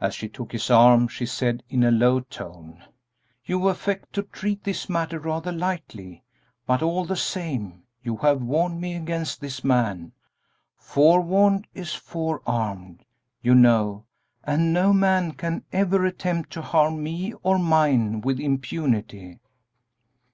As she took his arm she said, in a low tone, "You affect to treat this matter rather lightly, but, all the same, you have warned me against this man. 'Forewarned is forearmed,' you know, and no man can ever attempt to harm me or mine with impunity!"